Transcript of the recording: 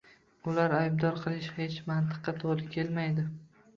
Ularni aybdor qilish hech mantiqqa to‘g‘ri kelmaydi